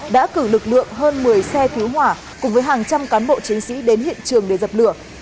đã cử lực lượng hơn một mươi xe cứu hỏa cùng với hàng trăm cán bộ chiến sĩ đến hiện trường để dập lửa